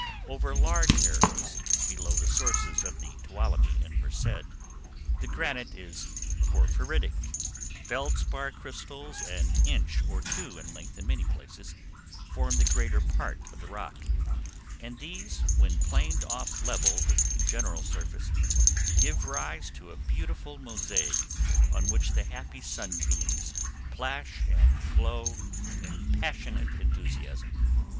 Over large areas below the sources of the Tuolumne and Merced the granite is porphyritic; feldspar crystals in inch or two in length in many places form the greater part of the rock, and these, when planed off level with the general surface, give rise to a beautiful mosaic on which the happy sunbeams plash and glow in passionate enthusiasm.